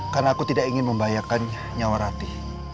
karena aku tidak ingin membahayakan nyawa rati